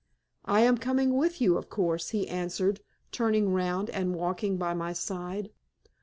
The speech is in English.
"I am coming with you, of course," he answered, turning round and walking by my side.